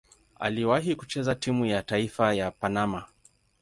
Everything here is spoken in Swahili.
Aliwahi kucheza timu ya taifa ya Panama.